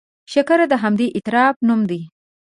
شکر د همدې اعتراف نوم دی.